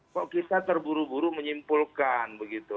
kok kita terburu buru menyimpulkan begitu